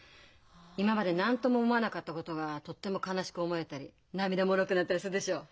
今まで何とも思わなかったことがとっても悲しく思えたり涙もろくなったりするでしょう？